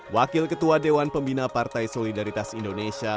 wakil ketua dewan pembina partai solidaritas indonesia